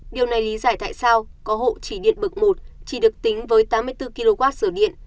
điều này lý giải tại sao có hộ chỉ điện bậc một chỉ được tính với tám mươi bốn kwh sửa điện